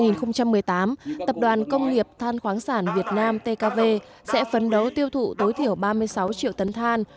năm hai nghìn một mươi tám tập đoàn công nghiệp than khoáng sản việt nam tkv sẽ phấn đấu tiêu thụ tối thiểu ba mươi sáu triệu tấn than